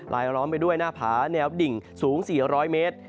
ล้อมไปด้วยหน้าผาแนวดิ่งสูง๔๐๐เมตร